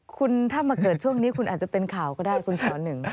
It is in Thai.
คุณถ้ามาเกิดช่วงนี้คุณอาจจะเป็นข่าวก็ได้คุณสอนหนึ่ง